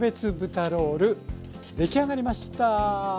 出来上がりました。